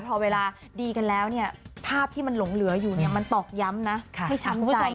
พอเวลาดีกันแล้วเนี่ยภาพที่มันหลงเหลืออยู่เนี่ยมันตอกย้ำนะให้ช้ำใจ